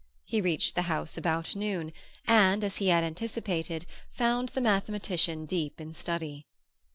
He reached the house about noon, and, as he had anticipated, found the mathematician deep in study.